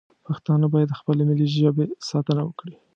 پښتانه باید د خپلې ملي ژبې ساتنه وکړي